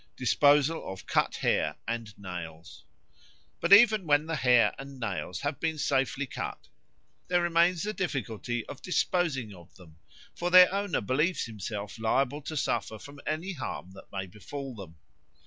Disposal of Cut Hair and Nails BUT even when the hair and nails have been safely cut, there remains the difficulty of disposing of them, for their owner believes himself liable to suffer from any harm that may befall them.